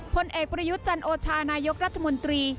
ผลเอกประยุทธ์จันโอชานายกรัฐมนตรี